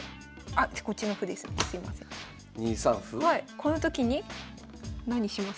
このときに何します？